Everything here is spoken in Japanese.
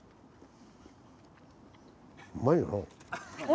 うまいよな。